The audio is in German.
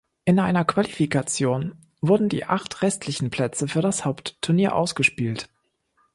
In einer Qualifikation wurden die acht restlichen Plätze für das Hauptturnier ausgespielt.